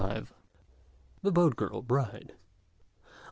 XCIV. THE BOAT GIRL BRIDE.